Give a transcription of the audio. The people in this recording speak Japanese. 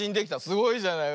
すごいじゃない。